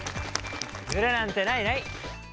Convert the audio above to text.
ズレなんてないない！